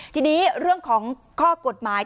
ทีนี้เรื่องของข้อกฎหมาย